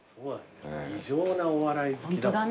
異常なお笑い好きだもんね。